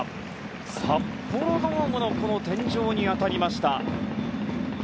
札幌ドームの天井に当たりました。